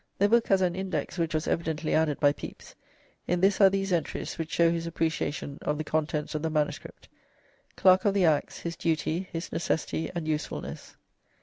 The book has an index, which was evidently added by Pepys; in this are these entries, which show his appreciation of the contents of the MS.: "Clerk of the Acts, his duty, his necessity and usefulness."